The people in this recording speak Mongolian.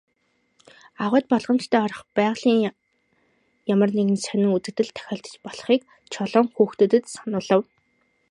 Агуйд болгоомжтой орох, байгалийн ямар нэгэн сонин үзэгдэл тохиолдож болохыг Чулуун хүүхдүүдэд сануулав.